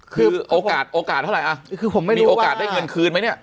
คือโอกาสโอกาสเท่าไรอ่ะคือผมไม่รู้ว่ามีโอกาสได้เงินคืนไหมเนี้ย